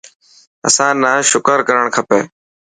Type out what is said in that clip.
اسان نا شڪر ڪرڻ کپي.